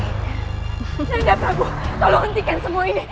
nada prabu tolong hentikan semua ini